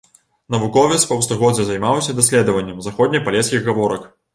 Навуковец паўстагоддзя займаўся даследаваннем заходнепалескіх гаворак.